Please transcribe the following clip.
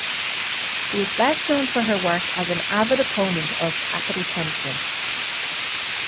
She is best known for her work as an avid opponent of capital punishment.